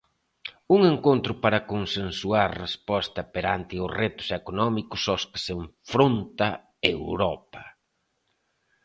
Un encontro para consensuar resposta perante os retos económicos aos que se enfronta Europa.